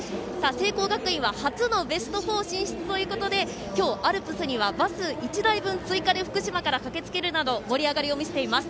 聖光学院は初のベスト４進出ということで今日、アルプスにはバス１台分追加で福島から駆けつけるなど盛り上がりを見せています。